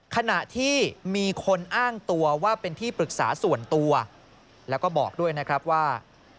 ขณะที่มีคนอ้างตัวว่าเป็นที่ปรึกษาส่วนตัวแล้วก็บอกด้วยนะครับว่า